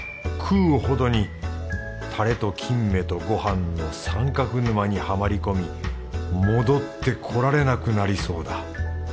食うほどにタレと金目とごはんの三角沼にはまり込み戻ってこられなくなりそうだ。